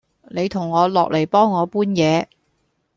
你同我落黎幫我搬嘢